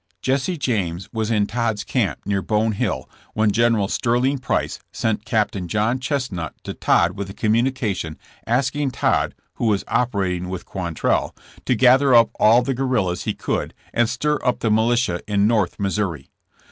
Jesse Jajnes was in Todd's camp near Bone Hill when Gen eral Sterling Price sent Capt. John Chestnut to Todd with a communication asking Todd, who was opera ting with Quantrell, to gather up all the guerrillas he could and stir up the militia in North Missouri.